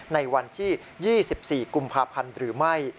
ในวันที่๒๔กุมภาพันธ์หรือไม่